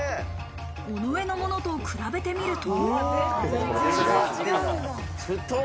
尾上のものと比べてみると。